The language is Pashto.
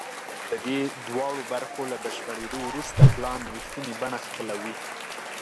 د دې دواړو برخو له بشپړېدو وروسته پلان رښتینې بڼه خپلوي